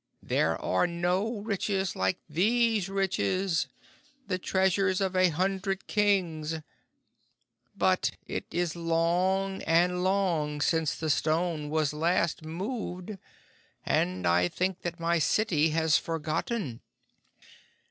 There are no riches like these riches the treasures of a hundred kings. But it is long and long since the stone was last moved, and I think that my city has forgotten."